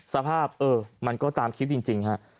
สภาพเออมันก็ตามคลิปจริงฮะ